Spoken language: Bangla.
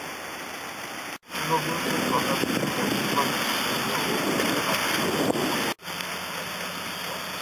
ঊনবিংশ শতাব্দির মধ্যভাগ পর্যন্তও এই এলাকাটি ঘন জঙ্গলে পূর্ণ ছিল।